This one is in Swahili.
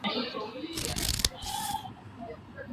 Wanaume milioni moja laki mbili na tano mia sita themanini na tatu